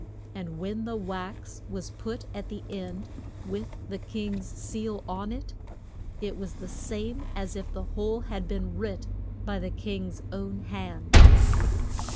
And when the wax was put at the end with the king's seal on it, it was the same as if the whole had been writ by the king's own hand.